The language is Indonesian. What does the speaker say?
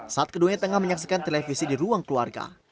saat keduanya tengah menyaksikan televisi di ruang keluarga